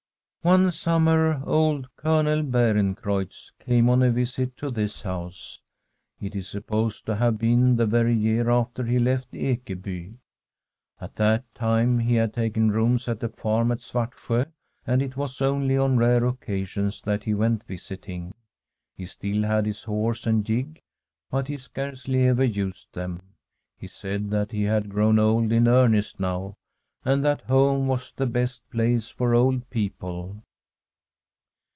One summer old Colonel Beerencreutz came on a visit to this house. It is supposed to have been the very year after he left Ekeby. At that time he had taken rooms at a farm at Svartsjo, and it was only on rare occasions that he went visiting. He still had his horse and gig, but he scarcely ever used them. He said that he had grown old in earnest now, and that home was the best place for old people.